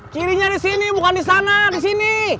cirinya di sini bukan di sana di sini